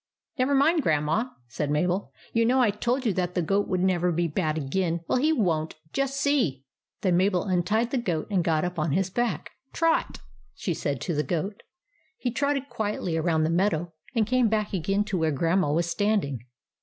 " Never mind, Grandma," said Mabel. " You know I told you that the goat would never be bad again. Well, he won't. Just see." Then Mabel untied the goat and got up on his back. " Trot," she said to the goat. He trotted quietly around the meadow and came back again to where Grandma was standing.